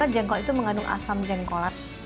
jengkol itu mengandung asam jengkolat